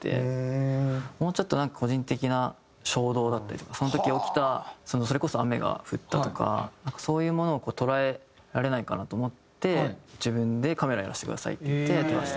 もうちょっとなんか個人的な衝動だったりとかその時起きたそれこそ雨が降ったとかそういうものを捉えられないかなと思って自分でカメラやらせてくださいって言って撮らせて。